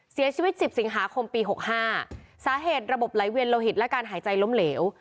เสียชีวิต๑๐สิงหาคมปีหกห้าสาเหตุระบบไหลเวียนโลหิตและการหายใจล้มเหลว